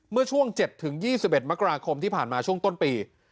เมื่อช่วงเจ็ดถึงยี่สิบเอ็ดมกราคมที่ผ่านมาช่วงต้นปี